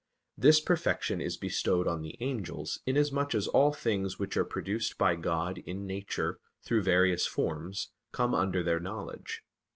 This perfection is bestowed on the angels, inasmuch as all things which are produced by God in nature through various forms come under their knowledge.